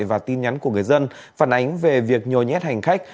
và tin nhắn của người dân phản ánh về việc nhồi nhét hành khách